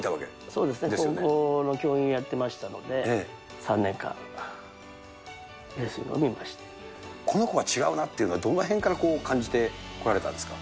そうですね、高校の教員やってましたので、３年間、この子は違うなっていうの、どのへんから感じてこられたんですか。